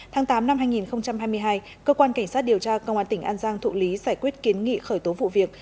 tháng tám năm hai nghìn hai mươi hai cơ quan cảnh sát điều tra công an tỉnh an giang thụ lý giải quyết kiến nghị khởi tố vụ việc